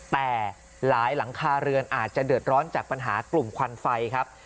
แต่หลายหลังคาเรือนอาจจะเดือดร้อนจากปัญหากลุ่มควันไฟครับ